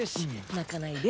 泣かないで。